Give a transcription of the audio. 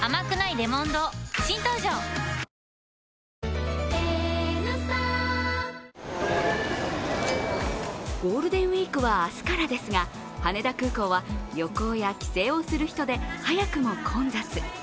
本麒麟ゴールデンウイークは明日からですが、羽田空港は旅行や帰省をする人で早くも混雑。